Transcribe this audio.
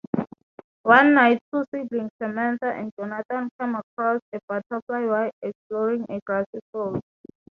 One night two siblings-Samantha and Johnathan-come across a butterfly while exploring a grassy field.